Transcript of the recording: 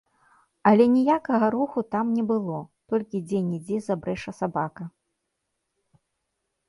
Але ніякага руху там не было, толькі дзе-нідзе забрэша сабака.